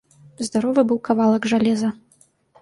Здаровы быў кавалак жалеза.